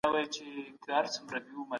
هګل یو آلمانی فیلسوف و.